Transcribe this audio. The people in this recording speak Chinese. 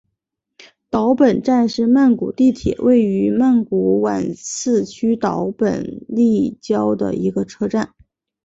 岛本站是曼谷地铁位于曼谷挽赐区岛本立交的一个车站。